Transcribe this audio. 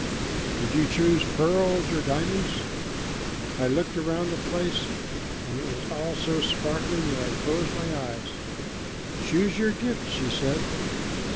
'" "Did you choose pearls or diamonds?" "I looked about the place, and it was all so sparkling that I closed my eyes. 'Choose your gift,' she said.